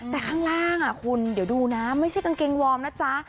แต่ข้างล่างคุณเดี๋ยวดูนะไม่ใช่กางเกงวอร์มนะจ๊ะ